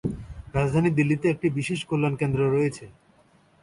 রাজধানী দিল্লিতে একটি বিশেষ কল্যাণ কেন্দ্র রয়েছে।